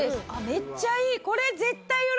めっちゃいい！